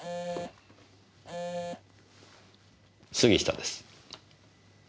杉下です。